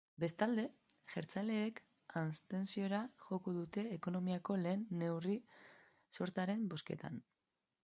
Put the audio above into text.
Bestalde, jeltzaleek abstentziora joko dute ekonomiako lehen neurri-sortaren bozketan.